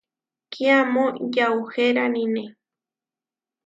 Kiamó yauheránine.